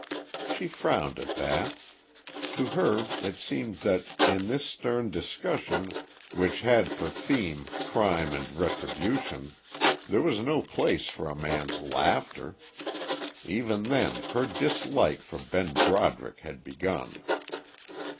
She frowned at that; to her it seemed that in this stern discussion which had for theme crime and retribution there was no place for a man's laughter; even then her dislike for Ben Broderick had begun.